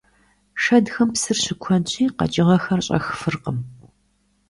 Шэдхэм псыр щыкуэдщи, къэкӀыгъэхэр щӀэх фыркъым.